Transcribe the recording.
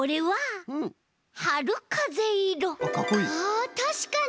あたしかに。